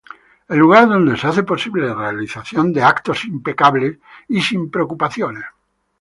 El lugar donde se hace posible la realización de eventos impecables y sin preocupaciones.